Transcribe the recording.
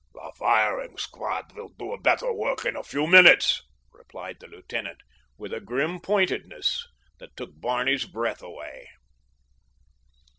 "The firing squad will do a better work in a few minutes," replied the lieutenant, with a grim pointedness that took Barney's breath away.